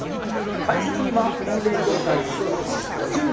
解説には婚礼業界一筋５０年！